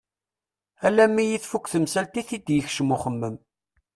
Alammi i tfuk temsalt i t-id-yekcem uxemmem.